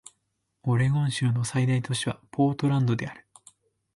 オレゴン州の最大都市はポートランドである